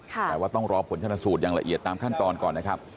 แต่ว่าต้องรอผลชนสูตรอย่างละเอียดตามขั้นตอนก่อนนะครับ